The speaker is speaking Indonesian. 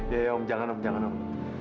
ya ya om jangan om jangan om